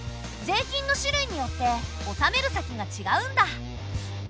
税金の種類によって納める先がちがうんだ。